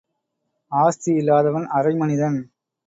ஆஸ்தி இல்லாதவன் அரை மனிதன்.